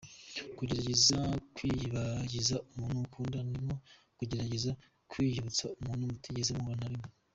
Kugerageza kwiyibagiza umuntu ukunda ni nko kugerageza kwiyibutsa umuntu mutigeze muhura na rimwe.